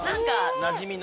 なじみの？